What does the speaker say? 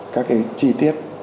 các cái chi tiết